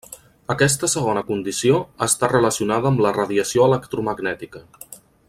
Aquesta segona condició està relacionada amb la radiació electromagnètica.